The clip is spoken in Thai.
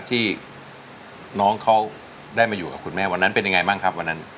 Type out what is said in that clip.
ที่น้องเขาได้มาอยู่กับคุณแม่วันนั้นเป็นยังไงบ้างครับวันนั้น